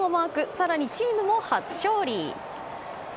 更に、チームも初勝利。